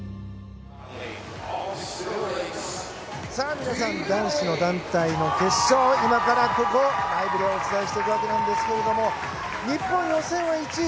皆さん、男子団体の決勝今からライブでお伝えしていくわけですが日本、予選は１位。